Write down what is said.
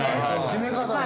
締め方ね。